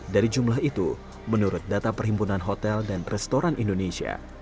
dari jumlah itu menurut data perhimpunan hotel dan restoran indonesia